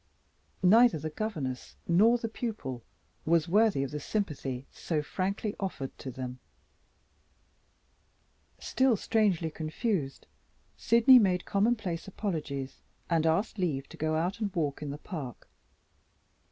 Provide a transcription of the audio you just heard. Neither the governess nor the pupil was worthy of the sympathy so frankly offered to them. Still strangely confused, Sydney made commonplace apologies and asked leave to go out and walk in the park.